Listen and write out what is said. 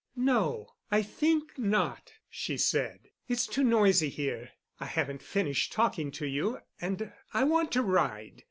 "No, I think not," she said. "It's too noisy here. I haven't finished talking to you, and I want to ride."